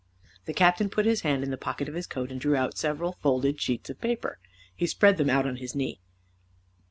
The Captain put his hand in the pocket of his coat and drew out several folded sheets of paper. He spread them out on his knee.